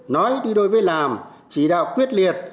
nói đối với làm chỉ đạo quyết liệt